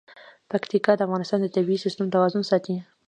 پکتیکا د افغانستان د طبعي سیسټم توازن ساتي.